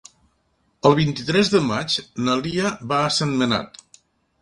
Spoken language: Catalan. El vint-i-tres de maig na Lia va a Sentmenat.